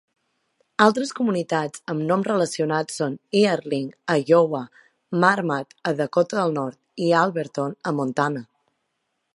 Altres comunitats amb noms relacionats són Earling, a Iowa, Marmarth, a Dakota del Nord i Alberton, a Montana.